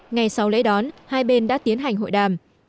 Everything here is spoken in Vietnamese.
ngày sau lễ đón hai bên đã tiến hành hội đàm